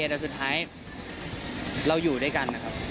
แต่สุดท้ายเราอยู่ด้วยกันนะครับ